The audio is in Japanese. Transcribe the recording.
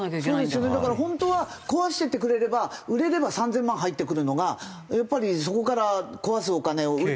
そうですよねだから本当は壊しててくれれば売れれば３０００万入ってくるのがやっぱりそこから壊すお金を。